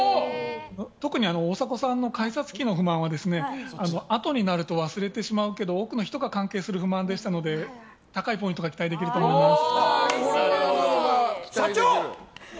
特に大迫さんの改札機の不満はあとになると忘れてしまうけど多くの人が関係する不満でしたので高いポイントが社長！